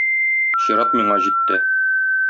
Чират миңа җитте.